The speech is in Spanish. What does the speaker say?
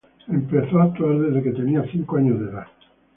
Empezó a actuar desde que tenía cinco años de edad.